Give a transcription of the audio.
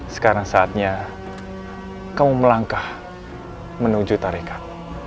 sekarang saatnya kamu melangkah menuju tarekat